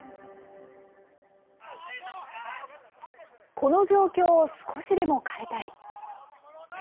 この状況を少しでも変えたい。